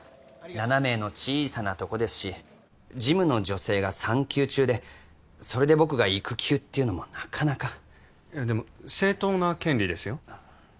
７名の小さなとこですし事務の女性が産休中でそれで僕が育休っていうのもなかなかでも正当な権利ですよ